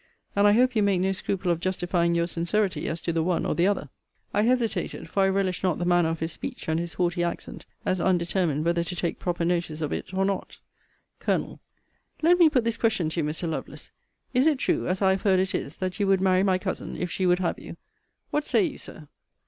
And I hope you make no scruple of justifying your sincerity as to the one or the other. I hesitated, (for I relished not the manner of his speech, and his haughty accent,) as undetermined whether to take proper notice of it or not. Col. Let me put this question to you, Mr. Lovelace: Is it true, as I have heard it is, that you would marry my cousin, if she would have you? What say you, Sir?